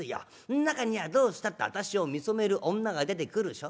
中にはどうしたって私を見初める女が出てくる。